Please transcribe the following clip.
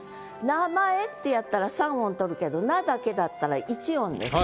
「名前」ってやったら３音取るけど「名」だけだったら１音です。